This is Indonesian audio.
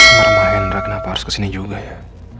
amar mahendra kenapa harus kesini juga ya